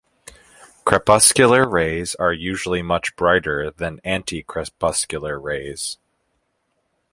Crepuscular rays are usually much brighter than anticrepuscular rays.